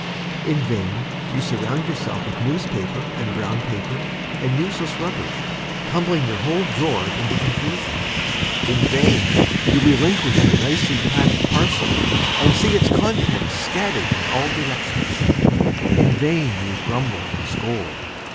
In vain you surround yourself with newspaper and brown paper, and useless rubbish, tumbling your whole drawer into confusion. In vain you relinquish your nicely packed parcel, and see its contents scattered in all directions. In vain you grumble and scold.